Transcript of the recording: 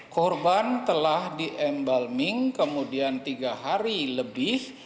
korban telah di embalming kemudian tiga hari lebih